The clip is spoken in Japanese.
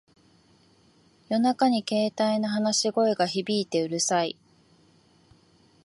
夜中に携帯の話し声が響いてうるさい